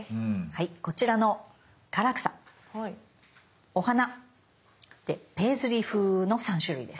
こちらの唐草お花ペイズリー風の３種類です。